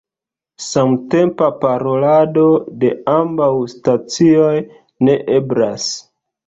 Samtempa parolado de ambaŭ stacioj ne eblas.